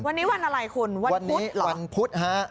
วันนี้วันอะไรคุณวันพุธหรอ